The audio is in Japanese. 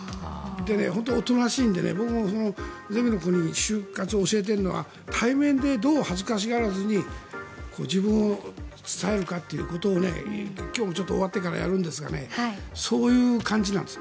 本当におとなしいのでゼミの子に就活を教えているのは対面でどう恥ずかしがらずに自分を伝えるかということを今日も終わってからやるんですがそういう感じなんです。